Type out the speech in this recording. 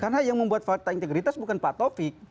karena yang membuat fakta integritas bukan pak taufik